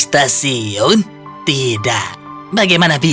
tapi di malam hari